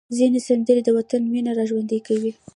ځینې سندرې د وطن مینه راژوندۍ کوي.